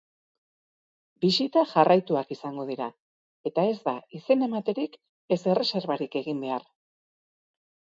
Bisita jarraituak izango dira eta ez da izenematerik ez erreserbarik egin behar.